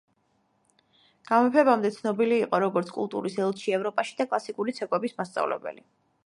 გამეფებამდე ცნობილი იყო, როგორც „კულტურის ელჩი“ ევროპაში და კლასიკური ცეკვების მასწავლებელი.